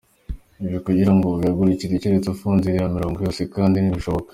Ibi kugira ngo ubihagarike keretse ufunze iriya mirongo yose kandi ntibishoboka.